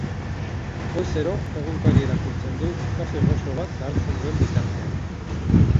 Goizero egunkaria irakurtzen du kafe gozo bat hartzen duen bitartean.